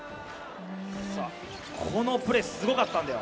このプレー、すごかったんだよ。